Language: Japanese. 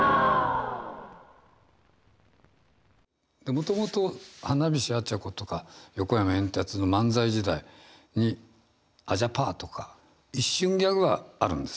もともと花菱アチャコとか横山エンタツの漫才時代に「あじゃぱー」とか一瞬ギャグがあるんです。